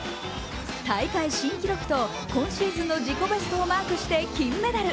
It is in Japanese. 大会新記録と今シーズンの自己ベストをマークして金メダル。